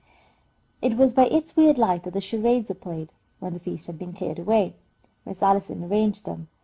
It was by its weird light that the charades were played, when the feast had been cleared away. Miss Allison arranged them.